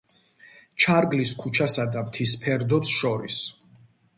ჩარგლის ქუჩასა და მთის ფერდობს შორის.